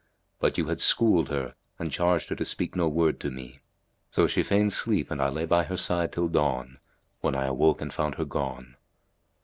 But you had schooled her and charged her to speak no word to me; so she feigned sleep and I lay by her side till dawn, when I awoke and found her gone."